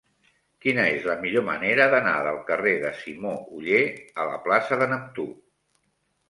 Quina és la millor manera d'anar del carrer de Simó Oller a la plaça de Neptú?